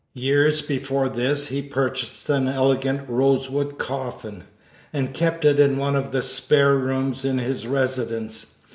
Years before this he purchased an elegant rosewood coffin, and kept it in one of the spare rooms in his residence.